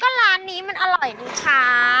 ก็ร้านนี้มันอร่อยดีค่ะ